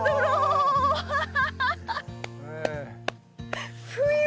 ハハハハッ！